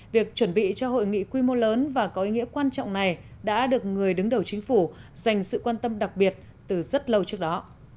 việc chuẩn bị cho hội nghị quy mô lớn và có ý nghĩa quan trọng này đã được người đứng đầu chính phủ dành sự quan tâm đặc biệt từ rất lâu trước đó